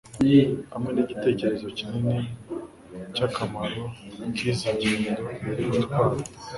hamwe nigitekerezo kinini cy akamaro kizi ngendo. yari gutwara